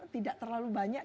tidak terlalu banyak